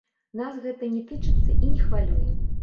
Нас гэта не тычыцца і не хвалюе.